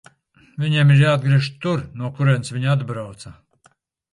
Viņiem ir jāatgriežas tur, no kurienes viņi atbrauca.